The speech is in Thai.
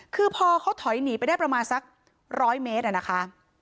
คือพอเขาถอยหนีไปได้ประมาณสัก๑๐๐เมตรอะนะคะ